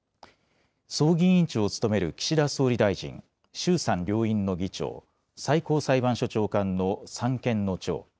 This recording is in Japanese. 葬儀委員長を務める岸田総理大臣、衆参両院の議長、最高裁判所長官の三権の長。